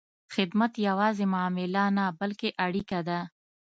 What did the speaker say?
خدمت یوازې معامله نه، بلکې اړیکه ده.